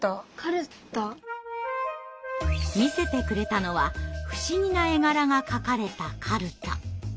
見せてくれたのは不思議な絵柄がかかれたかるた。